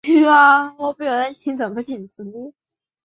元延元年刘快被封为徐乡侯。